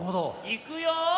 いくよ。